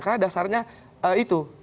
karena dasarnya itu